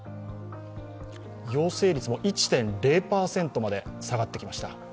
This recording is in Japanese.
陽性率も１．０％まで下がってきました。